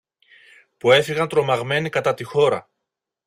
που έφευγαν τρομαγμένοι κατά τη χώρα.